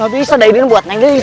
gak bisa daudin buat neng lilis